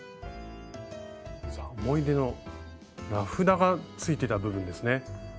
さあ思い出の名札がついてた部分ですね。